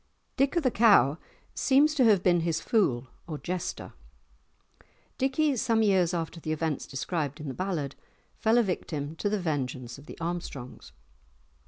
Dick o' the Cow seems to have been his fool or jester. Dickie, some years after the events described in the ballad, fell a victim to the vengeance of the Armstrongs.